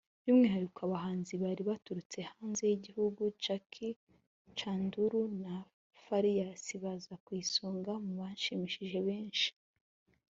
By’umwihariko abahanzi bari baturutse hanze y’igihugu Jackie Chandiru na Farious baza ku isonga mu bashimishije benshi